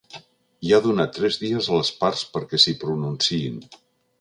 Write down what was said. I ha donat tres dies a les parts perquè s’hi pronunciïn.